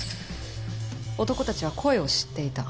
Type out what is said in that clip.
男たちは声を知っていた。